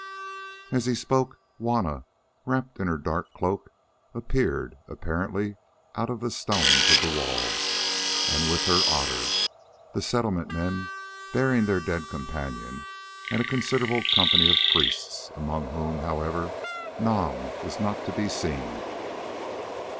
As he spoke, Juanna, wrapped in her dark cloak, appeared, apparently out of the stones of the wall, and with her Otter, the Settlement men bearing their dead companion, and a considerable company of priests, among whom, however, Nam was not to be seen.